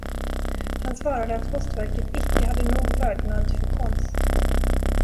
Han svarade att postverket icke hade nog vördnad för konst.